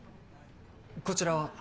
こちらは？